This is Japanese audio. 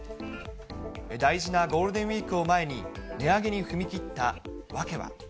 大事なゴールデンウィークを前に値上げに踏み切った訳は。